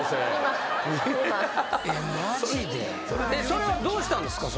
それはどうしたんですか？